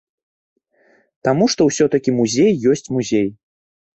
Таму што ўсё-такі музей ёсць музей.